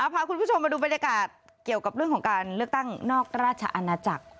พาคุณผู้ชมมาดูบรรยากาศเกี่ยวกับเรื่องของการเลือกตั้งนอกราชอาณาจักร